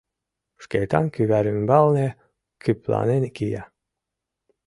Шкетан кӱвар ӱмбалне кӱпланен кия.